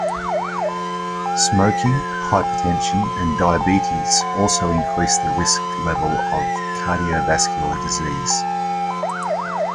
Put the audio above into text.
Smoking, hypertension and diabetes also increase the risk level of cardiovascular disease.